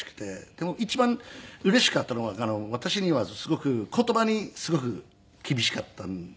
でも一番うれしかったのは私にはすごく言葉にすごく厳しかったんですね。